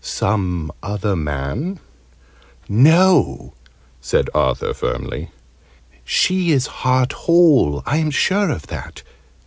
Some other man " "No," said Arthur firmly. "She is heart whole: I am sure of that.